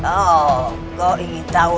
oh kau ingin tahu